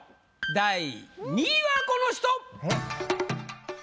第２位はこの人！